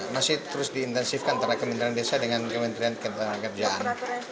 masih terus diintensifkan antara kementerian desa dengan kementerian kerjaan